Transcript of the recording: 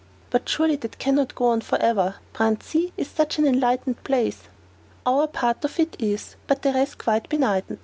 "But surely that can not go on forever. Bruntsea is such an enlightened place." "Our part of it is, but the rest quite benighted.